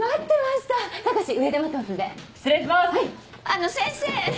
あの先生！